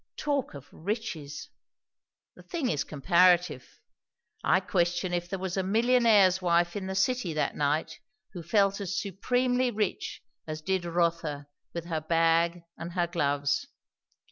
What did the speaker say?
Talk of riches! The thing is comparative. I question if there was a millionaire's wife in the city that night who felt as supremely rich as did Rotha with her bag and her gloves.